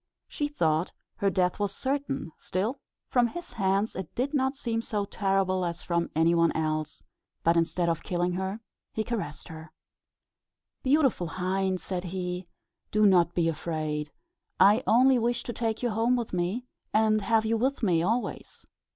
She thought her death was certain still, from his hands, it did not seem so terrible as from any one else; but instead of killing her he caressed her. "Beautiful hind," said he, "do not be afraid. I only wish to take you home with me, and have you with me always."